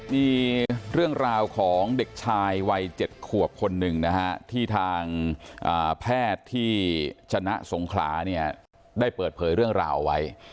มีเรื่องราวของเด็กชายวัย๗ขวบคนหนึ่งนะฮะที่ทางแพทย์ที่ชนะสงขลาเนี่ยได้เปิดเผยเรื่องราวเอาไว้